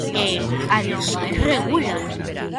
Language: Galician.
E, ademais, regula.